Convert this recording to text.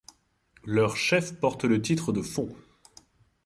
Leur chef porte le titre de Fon.